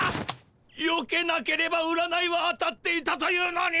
よけなければ占いは当たっていたというのに。